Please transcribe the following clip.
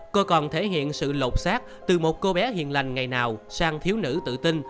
cô còn thể hiện sự lột xác từ một cô bé hiền lành ngày nào sang thiếu nữ tự tin